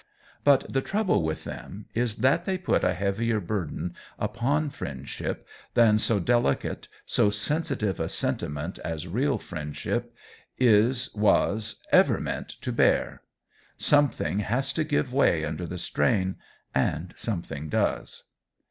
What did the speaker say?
But the trouble with them is that they put a heavier burden upon friendship than so delicate, so sensitive a sentiment as real friendship is was ever meant to bear. Something has to give way under the strain. And something does.